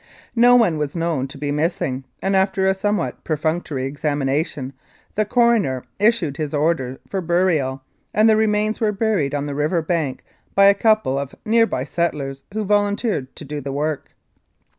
No one was known to be missing, and after a somewhat perfunctory examination the coroner issued his order for burial, and the remains were buried on the river bank by a couple of near by settlers who volunteered to do the work.